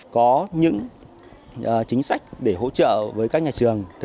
có những chính sách để hỗ trợ với các nhà trường